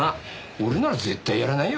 俺なら絶対やらないよ。